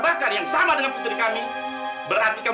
buktikan kalau kamu memang putri kami atau bukan